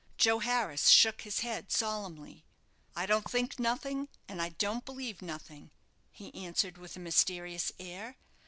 Joe Harris shook his head solemnly. "I don't think nothing, and I don't believe nothing," he answered, with a mysterious air.